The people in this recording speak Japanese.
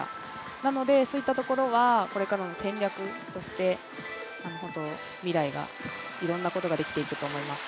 なので、そういったところはこれからの戦略として未来がいろんなことができていくと思います。